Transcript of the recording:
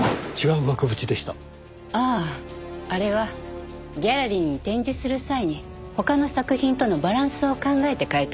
あああれはギャラリーに展示する際に他の作品とのバランスを考えて替えたんです。